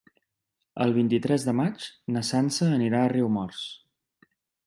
El vint-i-tres de maig na Sança anirà a Riumors.